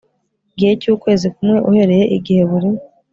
gihe cy ukwezi kumwe uhereye igihe buri